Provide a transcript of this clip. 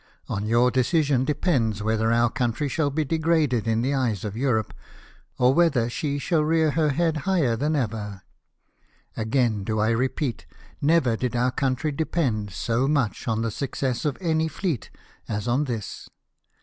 On your decision depends whether our country shall be degraded in the eyes of Europe, or whether she shall rear her head higher than ever. Again do I repeat, never did our country depend so much on the success of any fleet as on this.